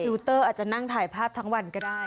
ูเตอร์อาจจะนั่งถ่ายภาพทั้งวันก็ได้